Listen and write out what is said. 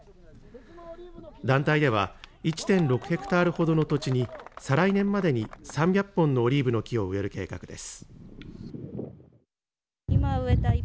団体では１．６ヘクタールほどの土地に再来年までに３００本のオリーブの木を植える計画です。